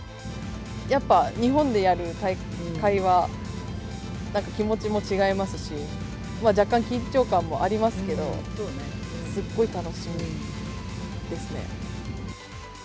やっぱ日本でやる大会は、なんか気持ちも違いますし、若干緊張感もありますけど、すっごい楽しみですね。